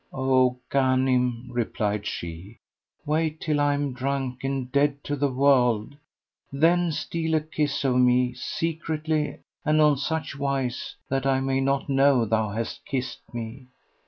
"O Ghanim," replied she, "wait till I am drunk and dead to the world; then steal a kiss of me, secretly and on such wise that I may not know thou hast kissed me."